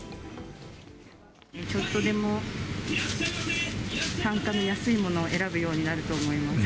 ちょっとでも単価の安いものを選ぶようになると思います。